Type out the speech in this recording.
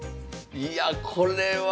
いやこれは。